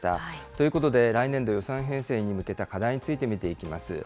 ということで、来年度予算編成に向けた課題について見ていきます。